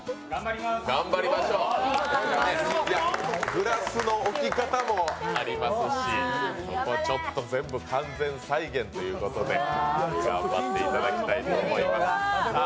グラスの置き方もありますし、そこちょっと、全部完全再現ということで、頑張っていただきたいと思います。